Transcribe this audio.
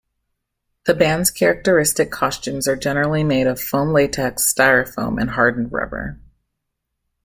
The band's characteristic costumes are generally made of foam latex, styrofoam, and hardened rubber.